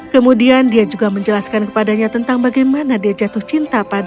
kemudian dia juga menjelaskan kepadanya tentang bagaimana dia jatuh cinta